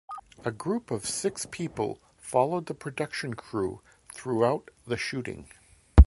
A group of six people followed the production crew throughout the shooting.